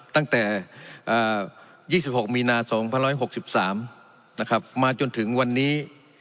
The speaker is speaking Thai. ตั้งแต่๒๖มีนา๒๑๖๓มาจนถึงวันนี้